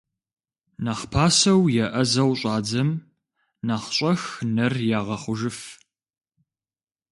Нэхъ пасэу еӀэзэу щӀадзэм, нэхъ щӀэх нэр ягъэхъужыф.